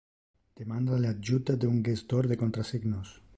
Demanda le adjuta de un gestor de contrasignos.